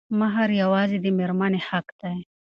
مهر يوازې د مېرمنې حق دی.